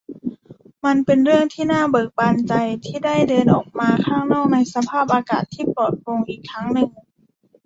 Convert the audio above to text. มันเป็นเรื่องที่น่าเบิกบานใจที่ได้เดินออกมาข้างนอกในสภาพอากาศที่ปลอดโปร่งอีกครั้งหนึ่ง